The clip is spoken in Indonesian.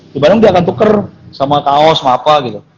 di barang dia akan tuker sama kaos sama apa gitu